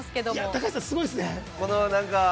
高橋さん、すごいですね。